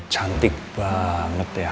cantik banget ya